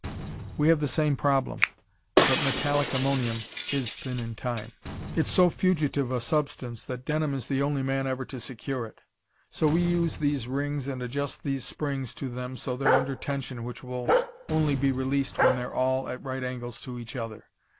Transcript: "We have the same problem. But metallic ammonium is 'thin in time.' It's so fugitive a substance that Denham is the only man ever to secure it. So we use these rings and adjust these springs to them so they're under tension which will only be released when they're all at right angles to each other.